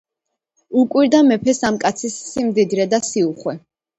უკვირდა მეფეს ამ კაცის სიმდიდრე და სიუხვე.